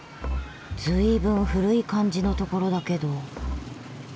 ずいぶん古い感じのところだけど。